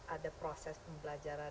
ada proses pembelajaran